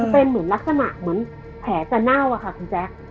เป็นเหมือนรักษณะแผลจะน่าวค่ะคุณแจ๊ค